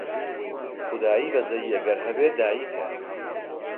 خودای بەزەیی ئەگەر هەبێ دایکە